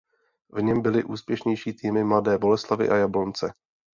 V něm byly úspěšnější týmy Mladé Boleslavi a Jablonce.